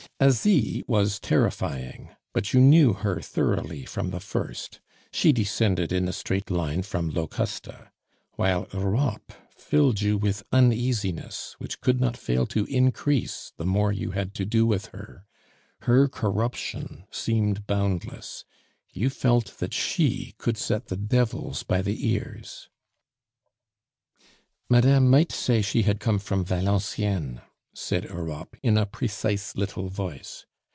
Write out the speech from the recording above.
Asie was terrifying, but you knew her thoroughly from the first; she descended in a straight line from Locusta; while Europe filled you with uneasiness, which could not fail to increase the more you had to do with her; her corruption seemed boundless. You felt that she could set the devils by the ears. "Madame might say she had come from Valenciennes," said Europe in a precise little voice.